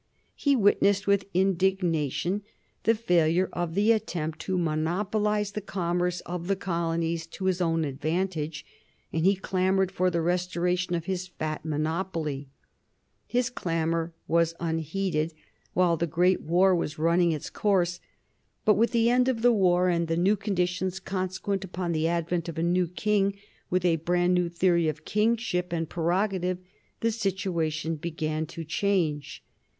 He witnessed with indignation the failure of the attempt to monopolize the commerce of the colonies to his own advantage, and he clamored for the restoration of his fat monopoly. His clamor was unheeded while the great war was running its course. But with the end of the war and the new conditions consequent upon the advent of a new King with a brand new theory of kingship and prerogative, the situation began to change.